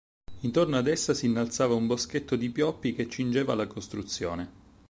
Intorno ad essa s'innalzava un boschetto di pioppi che cingeva la costruzione.